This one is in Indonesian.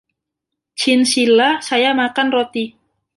Chincilla saya makan roti.